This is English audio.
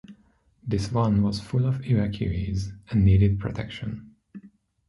This one was full of evacuees and needed protection.